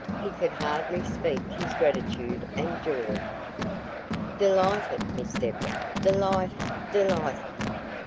He could hardly speak his gratitude and joy. "Delighted, Miss Deborah! delighted! delighted!"